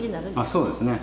あっそうですね。